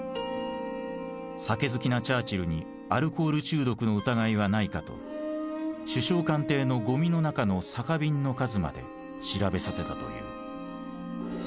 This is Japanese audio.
酒好きなチャーチルにアルコール中毒の疑いはないかと首相官邸のごみの中の酒瓶の数まで調べさせたという。